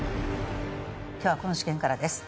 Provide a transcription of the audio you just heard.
今日はこの事件からです。